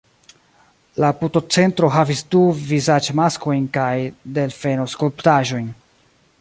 La putocentro havis du vizaĝmaskojn kaj delfenoskulptaĵojn.